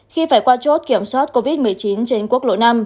khi phải qua chốt kiểm soát covid một mươi chín trên quốc lộ năm